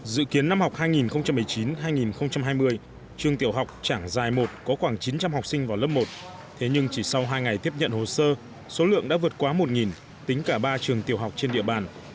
dự kiến năm học hai nghìn một mươi chín hai nghìn hai mươi trường tiểu học chẳng dài một có khoảng chín trăm linh học sinh vào lớp một thế nhưng chỉ sau hai ngày tiếp nhận hồ sơ số lượng đã vượt quá một tính cả ba trường tiểu học trên địa bàn